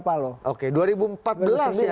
berdukung sbi ya